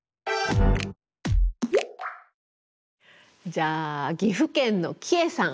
じゃあ岐阜県のちえさん